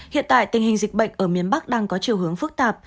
hiện tại tình hình dịch bệnh ở miền bắc đang có chiều hướng phức tạp